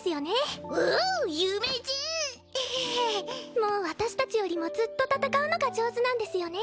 もう私たちよりもずっと戦うのが上手なんですよね。